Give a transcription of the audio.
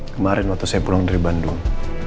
kemarin waktu saya pulang dari bandung